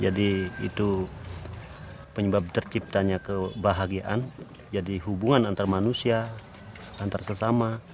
jadi itu penyebab terciptanya kebahagiaan jadi hubungan antar manusia antar sesama